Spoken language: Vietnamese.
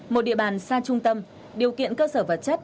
một địa bàn xa trung tâm điều kiện cơ sở vật chất